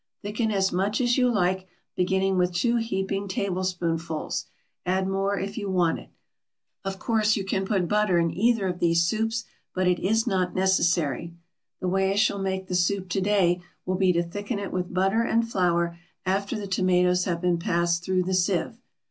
Thicken as much as you like, beginning with two heaping tablespoonfuls; add more if you want it. Of course you can put butter in either of these soups, but it is not necessary. The way I shall make the soup to day will be to thicken it with butter and flour after the tomatoes have been passed through the sieve.